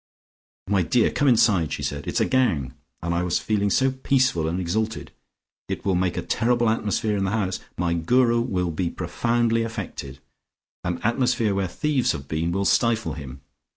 "My dear! Come inside," said she. "It's a gang. And I was feeling so peaceful and exalted. It will make a terrible atmosphere in the house. My Guru will be profoundly affected. An atmosphere where thieves have been will stifle him.